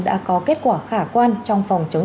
đã có kết quả khả quan trong phòng chống